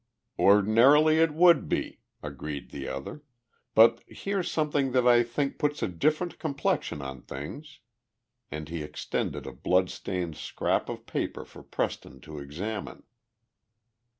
"Ordinarily it would be," agreed the other, "but here's something that I think puts a different complexion on things," and he extended a bloodstained scrap of paper for Preston to examine.